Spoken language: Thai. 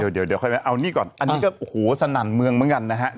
เดี๋ยวเดี๋ยวเอานี่ก่อนอันนี้ก็โถสนันเมืองบางอย่างนะครับ